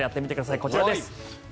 こちらです。